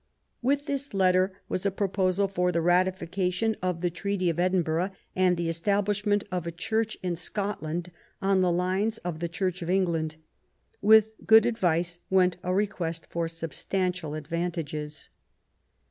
With this letter was a proposal for the ratification of the Treaty of Edinburgh, and the establishment of a Church in Scotland on the lines of the Church of England. With good advice went a request for substantial advantages.